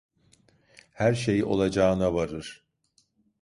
Her şey olacağına varır.